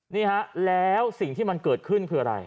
นี่ฮะแล้วสิ่งที่มันเกิดขึ้นคืออะไร